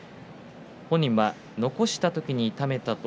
本人は残した時に痛めたと。